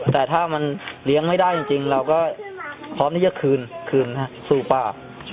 แต่ถ้ามันเลี้ยงไม่ได้จริงเราก็พร้อมที่จะคืนคืนสู่ป่า